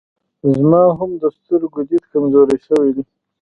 زما هم د سترګو ديد کمزوری سوی دی